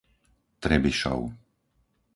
Trebišov